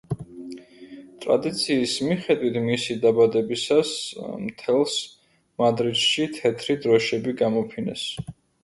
ტრადიციის მიხედვით, მისი დაბადებისას მთელს მადრიდში თეთრი დროშები გამოფინეს.